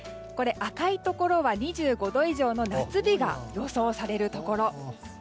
赤いところは２５度以上の夏日が予想されるところ。